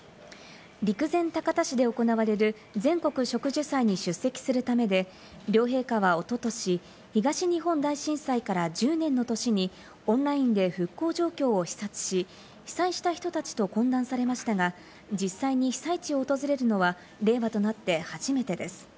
陸前高田市で行われる全国植樹祭に出席するためで、両陛下はおととし、東日本大震災から１０年の年にオンラインで復興状況を視察し、被災した人たちと懇談されましたが、実際に被災地を訪れるのは令和となって初めてです。